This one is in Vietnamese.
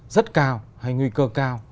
rất cao hay nguy cơ cao